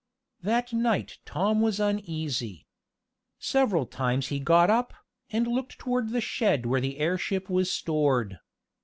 That night Tom was uneasy. Several times he got up, and looked toward the shed where the airship was stored.